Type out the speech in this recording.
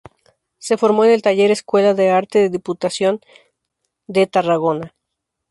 Se formó en el Taller-Escuela de Arte de la Diputación de Tarragona.